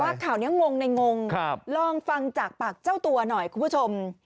ข่าวนี้งงในงงลองฟังจากปากเจ้าตัวหน่อยคุณผู้ชม